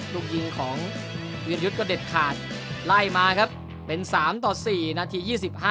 ลูกยิงของวีรยุทธ์ก็เด็ดขาดไล่มาครับเป็น๓ต่อ๔นาที๒๕